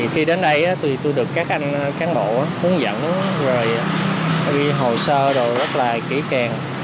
thì tôi được các anh cán bộ hướng dẫn rồi đi hồ sơ đồ rất là kỹ càng